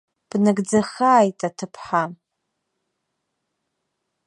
Бнагӡахааит, аҭыԥҳа!